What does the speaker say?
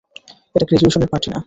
এটা গ্রাজুয়েশনের পার্টি না।